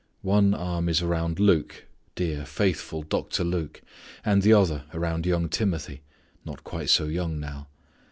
One arm is around Luke, dear faithful Doctor Luke, and the other around young Timothy, not quite so young now.